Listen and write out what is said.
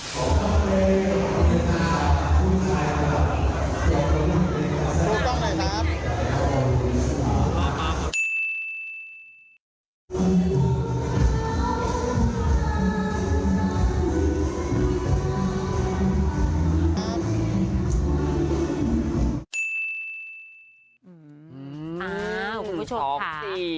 อ๋อคุณผู้ชมค่ะ